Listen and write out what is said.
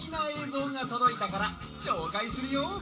ぞうがとどいたからしょうかいするよ！